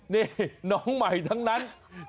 นี่น้องใหม่ทั้งนั้น